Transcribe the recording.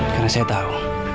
karena saya tahu